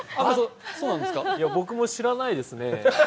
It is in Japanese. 僕も知らないですね